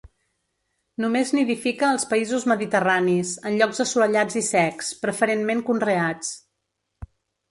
Només nidifica als països mediterranis, en llocs assolellats i secs, preferentment conreats.